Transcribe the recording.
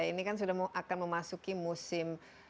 ini kan sudah akan memasuki musim